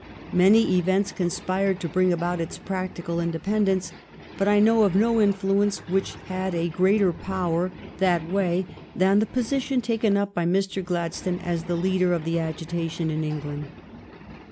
Many events conspired to bring about its practical independence, but I know of no influence which had a greater power that way than the position taken up by Mr. Gladstone as the leader of the agitation in England.